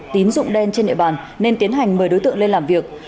tín dụng đen trên địa bàn nên tiến hành mời đối tượng lên làm việc